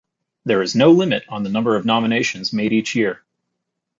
There is no limit on the number of nominations made each year.